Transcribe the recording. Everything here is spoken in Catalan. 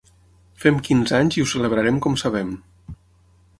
Fem quinze anys i ho celebrarem com sabem.